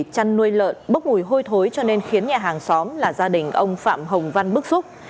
chăn nuôi lợn bốc mùi hôi thối cho nên khiến nhà hàng xóm là gia đình ông phạm hồng văn bức xúc